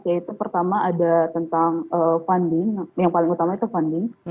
yaitu pertama ada tentang funding yang paling utama itu funding